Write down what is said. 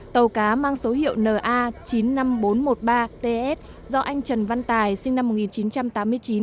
tàu cá mang số hiệu na chín mươi năm nghìn bốn trăm một mươi ba ts do anh trần văn tài sinh năm một nghìn chín trăm tám mươi chín